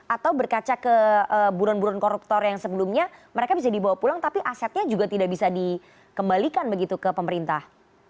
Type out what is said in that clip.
atau berkaca ke buron buron koruptor yang sebelumnya mereka bisa dibawa pulang tapi asetnya juga tidak bisa dikembalikan begitu ke pemerintah